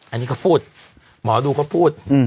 อันนี้ก็พูดหมอดูก็พูด